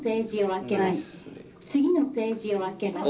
「次のページを開けます」。